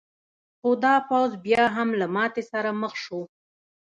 خو دا پوځ بیا هم له ماتې سره مخ شو.